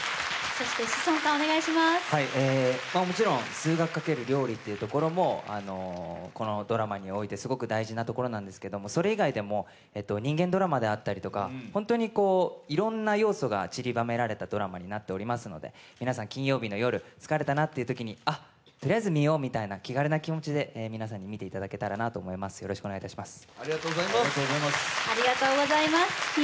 もちろん数学×料理というところもこのドラマにおいてすごく大事なところなんですけどそれ以外にも人間ドラマであったりとか本当にいろんな要素がちりばめられたドラマになっていますので、皆さん金曜日の夜、疲れたなというときに、とりあえず見ようみたいな、気軽な気持ちで皆さんに見ていただけたらと思います、よろしくお願いします。